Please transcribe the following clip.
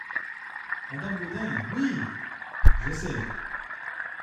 Madame Gaudin Oui ! je sais …